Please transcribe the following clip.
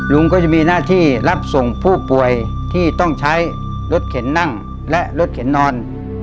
ลุงก็จะมีหน้าที่รับส่งผู้ป่วยที่ต้องใช้รถเข็นนั่งและรถเข็นนอน